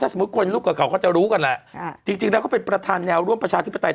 สมมุติคนรูปเก่าเขาก็จะรู้กันแหละจริงแล้วเขาเป็นประธานแนวร่วมประชาธิปไตย